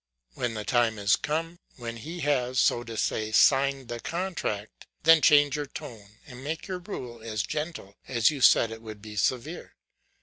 When the time is come, when he has, so to say, signed the contract, then change your tone, and make your rule as gentle as you said it would be severe.